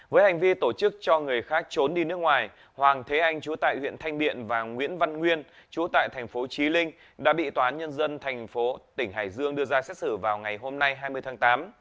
với hành vi tổ chức cho người khác trốn đi nước ngoài hoàng thế anh chú tại huyện thanh biện và nguyễn văn nguyên chú tại thành phố trí linh đã bị tòa án nhân dân thành phố tỉnh hải dương đưa ra xét xử vào ngày hôm nay hai mươi tháng tám